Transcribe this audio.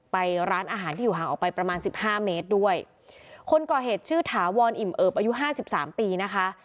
ไปร้านอาหารที่อยู่ห่างออกไปประมาณสิบห้าเมตรด้วยคนก่อเหตุชื่อถาวรอิ่มเอิบอายุห้าสิบสามปีนะคะ